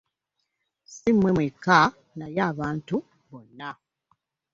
Si mmwe mwekka naye abantu bonna.